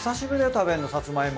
食べるのさつまいも。